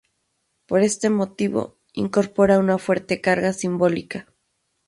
Por este motivo, incorpora una fuerte carga simbólica.